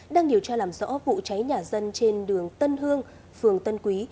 đang điều tra làm rõ vụ cháy nhà dân trên đường tân hương phường tân quý